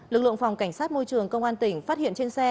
lực lượng phòng cảnh sát môi trường công an tỉnh phát hiện trên xe